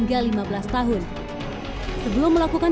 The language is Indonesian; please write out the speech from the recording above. sebelum melakukan penyelidikan